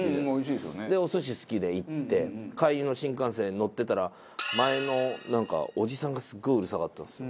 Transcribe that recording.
お寿司好きで行って帰りの新幹線乗ってたら前のおじさんがすごいうるさかったんですよ。